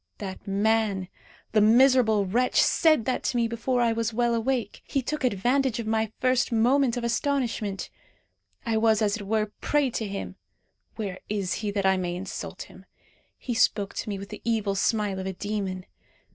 That man, the miserable wretch! said that to me before I was well awake. He took advantage of my first moment of astonishment. I was as it were a prey to him. Where is he, that I may insult him? He spoke to me with the evil smile of a demon.